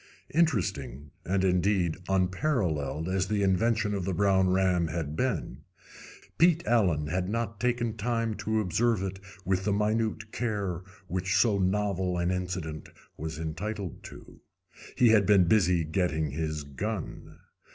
Interesting and, indeed, unparalleled as the intervention of the brown ram had been, Pete Allen had not taken time to observe it with the minute care which so novel an incident was entitled to. He had been busy getting his gun.